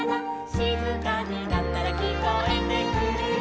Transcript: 「しずかになったらきこえてくるよ」